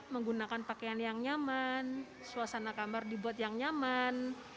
menggunakan pakaian yang nyaman suasana kamar dibuat yang nyaman